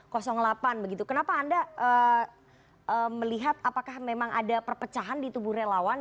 kenapa anda melihat apakah memang ada perpecahan di tubuh relawan